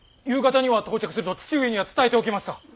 夕方には到着すると父上には伝えておきました。